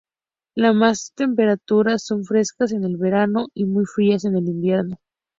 Las temperaturas son frescas en el verano y muy frías en el invierno.